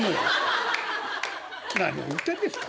「何を言うてんですか。